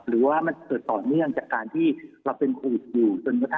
หรือว่ามันเกิดต่อเนื่องจากการที่เราเป็นโควิดอยู่จนกระทั่ง